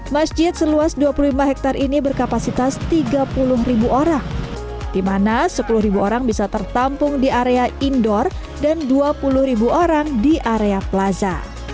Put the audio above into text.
masjid seluas dua puluh lima hektare ini berkapasitas tiga puluh ribu orang di mana sepuluh orang bisa tertampung di area indoor dan dua puluh ribu orang di area plaza